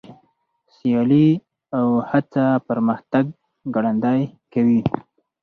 سیالي او هڅه پرمختګ ګړندی کوي.